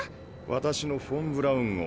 ⁉私のフォン・ブラウン号